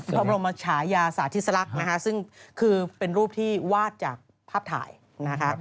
พระบรมชายาสาธิสลักษณ์นะคะซึ่งคือเป็นรูปที่วาดจากภาพถ่ายนะคะ